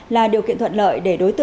là điều kiện thuận lợi